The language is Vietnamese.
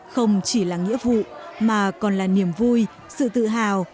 không chỉ là nghĩa vụ mà còn là niềm vui sự tự hào